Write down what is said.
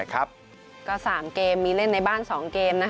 ก็๓เกมมีเล่นในบ้าน๒เกม